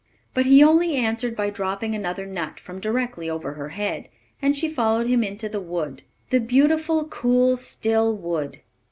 But he only answered by dropping another nut from directly over her head, and she followed him into the wood the beautiful, cool, still wood.